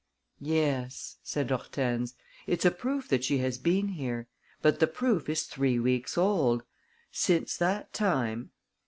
"Yes," said Hortense, "it's a proof that she has been here; but the proof is three weeks old. Since that time...."